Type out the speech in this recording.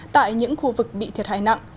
tại những khu vực bị thiệt hại nặng